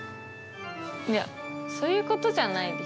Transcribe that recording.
いやそういうことじゃないでしょ。